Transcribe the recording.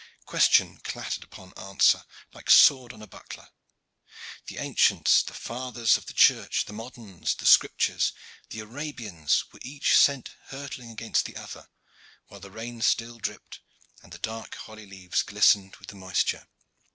Question clattered upon answer like a sword on a buckler. The ancients, the fathers of the Church, the moderns, the Scriptures, the Arabians, were each sent hurtling against the other, while the rain still dripped and the dark holly leaves glistened with the moisture.